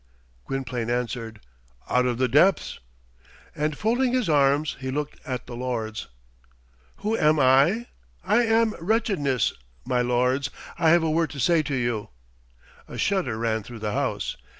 Gwynplaine answered, "Out of the depths." And folding his arms, he looked at the lords. "Who am I? I am wretchedness. My lords, I have a word to say to you." A shudder ran through the House.